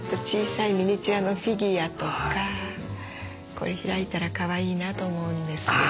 これ開いたらかわいいなと思うんですけど。